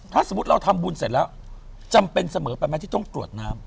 ถ้าสมมุติเราทำบุญเสร็จแล้วจำเป็นเสมอไปไหมที่ต้องกรวดน้ำ